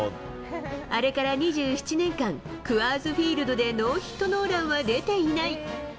あれから２７年間、クアーズフィールドでノーヒットノーランは出ていない。